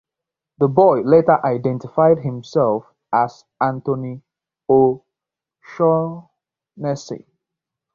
The boy later identified himself as Anthony O'Shaughnessy.